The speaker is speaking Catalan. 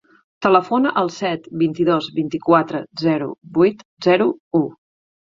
Telefona al set, vint-i-dos, vint-i-quatre, zero, vuit, zero, u.